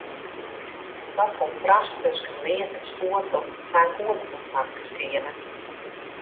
Dat kontrast tusken leaf en stoer docht it faak goed op in famkeskeamer.